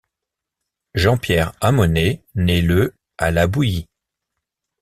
Jean-Pierre Hamonet naît le à La Bouillie.